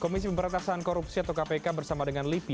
komisi pemberantasan korupsi atau kpk bersama dengan livi